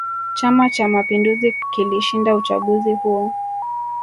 chama cha mapinduzi kilishinda uchaguzi huo